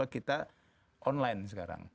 kita online sekarang